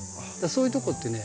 そういうとこってね